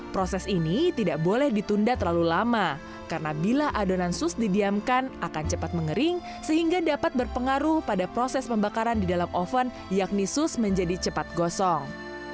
proses ini tidak boleh ditunda terlalu lama karena bila adonan sus didiamkan akan cepat mengering sehingga dapat berpengaruh pada proses pembakaran di dalam oven yakni sus menjadi cepat gosong